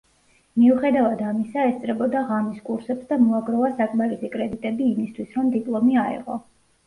მიუხედავად ამისა, ესწრებოდა ღამის კურსებს და მოაგროვა საკმარისი კრედიტები იმისათვის, რომ დიპლომი აეღო.